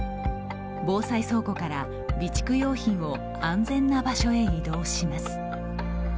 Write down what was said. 防災倉庫から備蓄用品を安全な場所へ移動します。